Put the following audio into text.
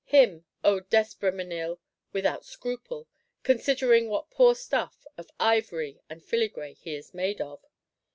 Him, O D'Espréménil, without scruple;—considering what poor stuff, of ivory and filigree, he is made of!